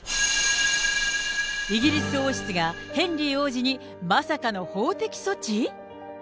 イギリス王室がヘンリー王子に、まさかの法的措置？